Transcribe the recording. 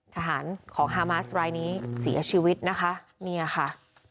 ทหารของฮามาสรายนี้เสียชีวิตนะคะ